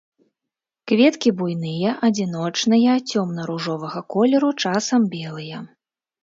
Кветкі буйныя, адзіночныя, цёмна-ружовага колеру, часам белыя.